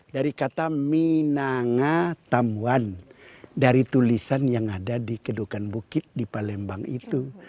dari kata minanga tamwan dari tulisan yang ada di kedukan bukit di palembang itu